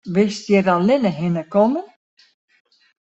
Bist hjir allinne hinne kommen?